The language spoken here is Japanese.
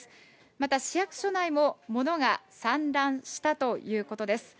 また、市役所内も物が散乱したということです。